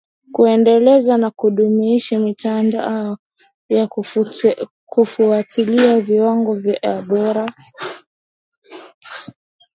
kuendeleza na kudumisha mitandao ya kufuatilia viwango vya ubora